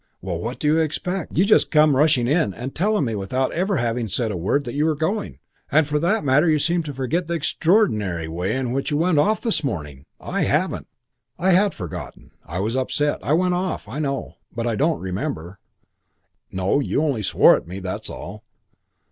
"Well, what do you expect? You just come rushing in and telling me without ever having said a word that you were going. And for that matter you seem to forget the extraordinary way in which you went off this morning. I haven't." "I had forgotten. I was upset. I went off, I know; but I don't remember " "No, you only swore at me; that's all."